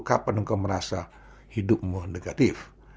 kapan engkau merasa hidupmu negatif